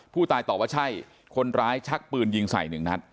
ตอบว่าใช่คนร้ายชักปืนยิงใส่หนึ่งนัด